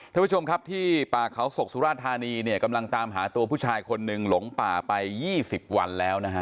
ท่านผู้ชมครับที่ป่าเขาศกสุราธานีเนี่ยกำลังตามหาตัวผู้ชายคนหนึ่งหลงป่าไป๒๐วันแล้วนะฮะ